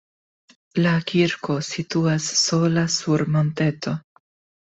La kirko situas sola sur monteto.